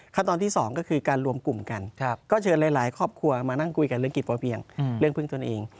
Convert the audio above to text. ตอนที่๒ก็คือการรวมกลุ่มกันก็เชิญหลายครอบครัวมานั่งคุยกันเรื่องกิจพอเพียงเรื่องพึ่งตนเอง